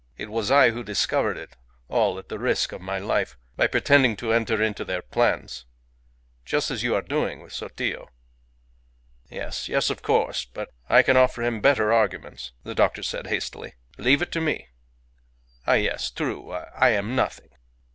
It was I who discovered it all at the risk of my life, by pretending to enter into their plans. Just as you are doing with Sotillo." "Yes. Yes, of course. But I can offer him better arguments," the doctor said, hastily. "Leave it to me." "Ah, yes! True. I am nothing."